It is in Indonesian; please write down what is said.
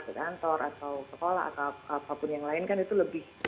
di kantor atau sekolah atau sekolah atau apapun yang lain kan itu lebih